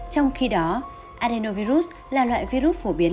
trong khi đó adenovirus là loại virus phổ biến